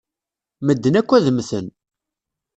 Medden akk ad mmten.